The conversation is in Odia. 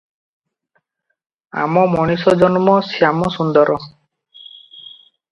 ଆମ ମଣିଷଜନ୍ମ ଶ୍ୟାମସୁନ୍ଦର ।